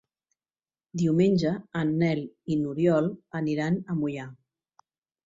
Diumenge en Nel i n'Oriol aniran a Moià.